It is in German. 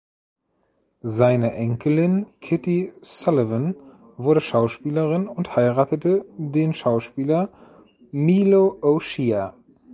Seine Enkelin Kitty Sullivan wurde Schauspielerin und heiratete den Schauspieler Milo O’Shea.